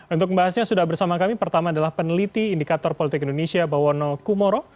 untuk membahasnya sudah bersama kami pertama adalah peneliti indikator politik indonesia bawono kumoro